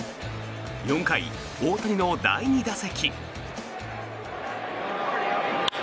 ４回、大谷の第２打席。